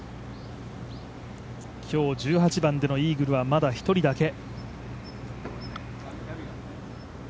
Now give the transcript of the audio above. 今日１８番でのイーグルは、まだ１人だけ。